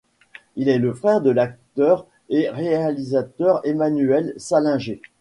Il est le frère de l'acteur et réalisateur Emmanuel Salinger.